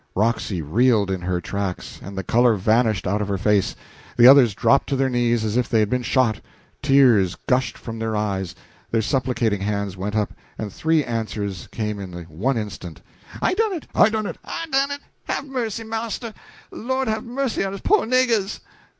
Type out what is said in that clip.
Roxy reeled in her tracks and the color vanished out of her face; the others dropped to their knees as if they had been shot; tears gushed from their eyes, their supplicating hands went up, and three answers came in the one instant: "I done it!" "I done it!" "I done it! have mercy, marster Lord have mercy on us po' niggers!"